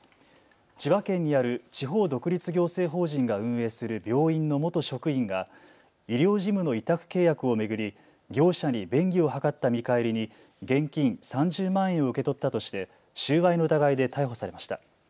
千葉県にある地方独立行政法人が運営する病院の元職員が医療事務の委託契約を巡り業者に便宜を図った見返りに現金３０万円を受け取ったとして収賄の疑いで逮捕されました。